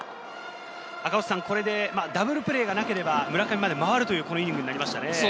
これでダブルプレーがなければ村上まで回るというイニングになりましたね。